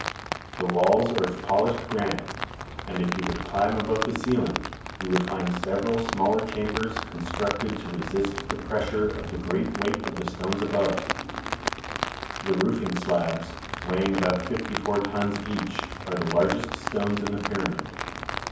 The walls are of polished granite, and, if you would climb above the ceiling, you would find several smaller chambers constructed to resist the pressure of the great weight of the stones above. The roofing slabs, weighing about fifty four tons each, are the largest stones in the pyramid.